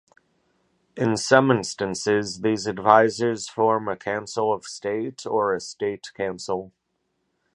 In some instances, these advisors form a Council of State or a State Council.